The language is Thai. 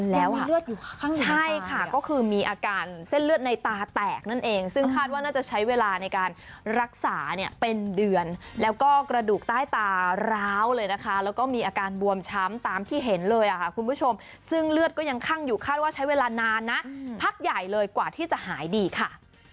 แล้วเลือดอยู่ข้างในใช่ค่ะก็คือมีอาการเส้นเลือดในตาแตกนั่นเองซึ่งคาดว่าน่าจะใช้เวลาในการรักษาเนี่ยเป็นเดือนแล้วก็กระดูกใต้ตาร้าวเลยนะคะแล้วก็มีอาการบวมช้ำตามที่เห็นเลยค่ะคุณผู้ชมซึ่งเลือดก็ยังคั่งอยู่คาดว่าใช้เวลานานนะพักใหญ่เลยกว่าที่จะหายดีค่ะ